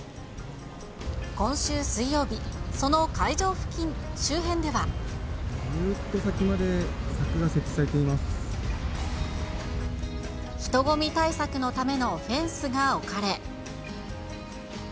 今週水曜日、ずっと先まで柵が設置されて人混み対策のためのフェンスが置かれ。